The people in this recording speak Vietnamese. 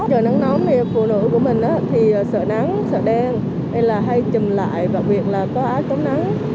trời nắng nóng thì phụ nữ của mình thì sợ nắng sợ đen hay là hay chùm lại và việc là có áo chống nắng